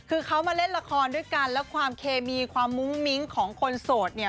คือเขามาเล่นละครด้วยกันแล้วความเคมีความมุ้งมิ้งของคนโสดเนี่ย